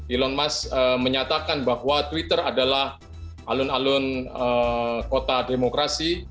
elon musk menyatakan bahwa twitter adalah alun alun kota demokrasi